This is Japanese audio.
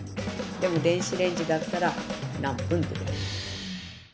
でも電子レンジだったら何分でできる。